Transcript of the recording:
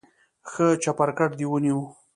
ښه چپرکټ دې ونیو.